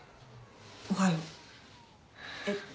おはよう。えっ？